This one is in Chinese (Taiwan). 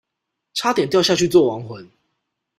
差點掉下去做亡魂